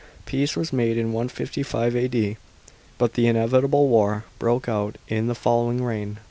Peace was made in 155 A.D., but the inevitable war broke out in the following reign.